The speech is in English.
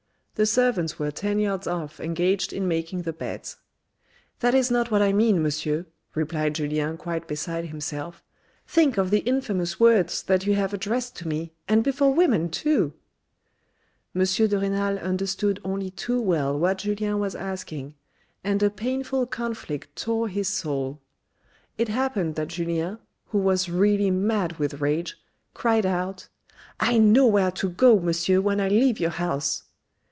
The servants were ten yards off engaged in making the beds. "That is not what I mean, Monsieur," replied Julien quite beside himself. " Think of the infamous words that you have addressed to me, and before women too." 64 THE RED AND THE BLACK M. de Renal understood only too well what Julien was asking, and a painful conflict tore his soul. It happened that Julien, who was really mad with rage, cried out, " I know where to go, Monsieur, when I leave your house."